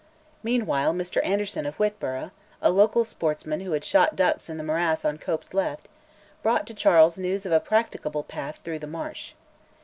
Meanwhile Mr Anderson of Whitburgh, a local sportsman who had shot ducks in the morass on Cope's left, brought to Charles news of a practicable path through that marsh.